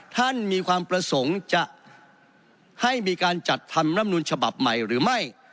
ท่านมีความประสงค์จะให้มีการจัดทำรำนูลฉบับใหม่หรือไม่